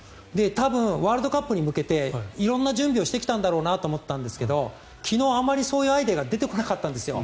多分ワールドカップに向けて色んな準備をしてきたんだろうと思うんですが昨日、あまりそういうアイデアが出てこなかったんですよ。